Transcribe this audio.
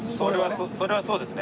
それはそうですね。